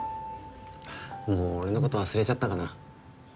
もう俺のこと忘れちゃったかな